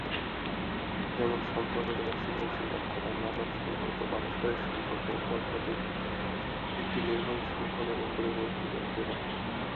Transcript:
যেমন- সম্পাদনা সৃজনশীল দক্ষতা, মানব সম্পর্ক/পারস্পরিক সম্পর্ক ও পদ্ধতির একটি নির্ভুল সংকলনে পরিবর্তিত হতে পারে।